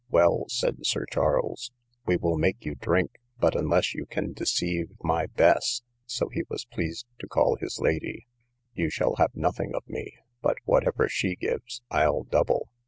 Well, said Sir Charles, we will make you drink, but unless you can deceive my Bess, (so he was pleased to call his lady,) you shall have nothing of me; but whatever she gives, I'll double.